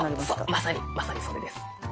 まさにまさにそれです。